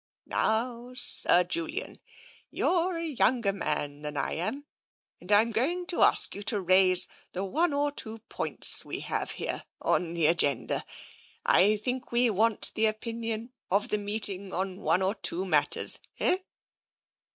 " Now, Sir Julian, you're a younger man than I am, and Fm going to ask you to raise the one or two points we have here on the agenda. I think we want the opinion of the meeting on one or two matters, eh?